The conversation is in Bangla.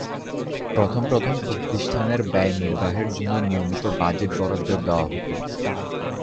প্রথম প্রথম প্রতিষ্ঠানের ব্যয় নির্বাহের জন্য নিয়মিত বাজেট বরাদ্দ দেয়া হতো।